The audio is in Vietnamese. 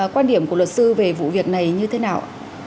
quan điểm của luật sư về vụ việc này như thế nào